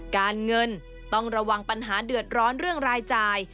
การเงินต้องระวังปัญหาเดือดร้อนเรื่องรายจ่าย